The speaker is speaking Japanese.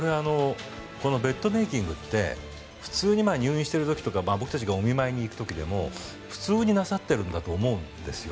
ベッドメイキングって普通に入院している時って僕たちがお見舞いに行く時でも普通になさっているんだと思うんです。